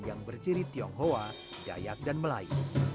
yang berciri tionghoa dayak dan melayu